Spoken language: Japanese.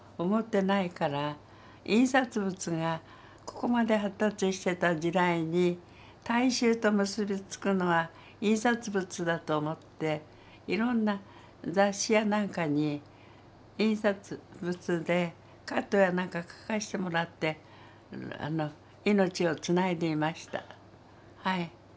印刷物がここまで発達してた時代に大衆と結び付くのは印刷物だと思っていろんな雑誌や何かに印刷物でカットや何か描かしてもらって命をつないでいました。